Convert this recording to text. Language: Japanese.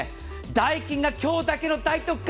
ダイキンが今日だけの大特価。